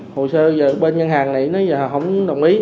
hồ sơ giờ bên ngân hàng này nếu giờ không đồng ý